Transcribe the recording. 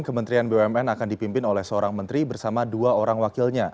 kementerian bumn akan dipimpin oleh seorang menteri bersama dua orang wakilnya